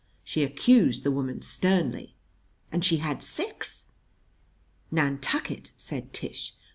She accused the woman sternly and she had six!] "Nantucket!" said Tish.